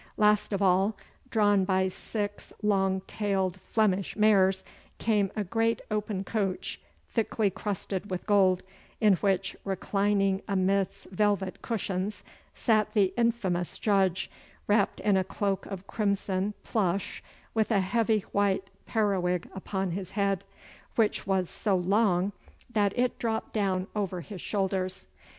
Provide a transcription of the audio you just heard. Last of all, drawn by six long tailed Flemish mares, came a great open coach, thickly crusted with gold, in which, reclining amidst velvet cushions, sat the infamous Judge, wrapped in a cloak of crimson plush with a heavy white periwig upon his head, which was so long that it dropped down over his shoulders.